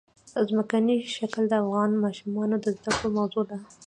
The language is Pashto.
ځمکنی شکل د افغان ماشومانو د زده کړې موضوع ده.